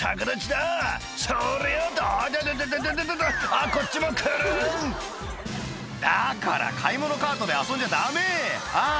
あっこっちもクルンだから買い物カートで遊んじゃダメああ